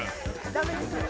ダメですよ